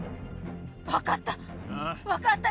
わかった。